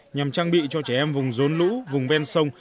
nhằm trang bị cho trẻ em vùng rốn lũ vùng ven sông